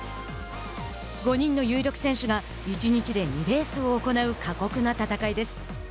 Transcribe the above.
５人の有力選手が１日で２レースを行う過酷な戦いです。